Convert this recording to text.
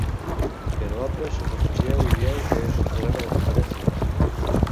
Però altres us refugieu i dieu que és un problema de competències.